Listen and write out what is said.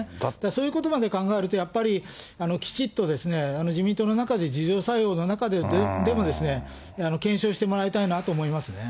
そういうことまで考えると、やっぱりきちっと自民党の中で自浄作用の中ででも、検証してもらいたいなと思いますね。